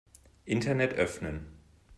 Internet öffnen.